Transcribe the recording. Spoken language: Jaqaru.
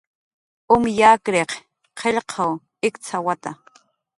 Um yakriq qillqw iqcx'awata.